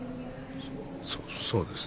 そそうですね。